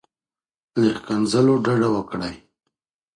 له ښکنځلو ډډه وکړئ.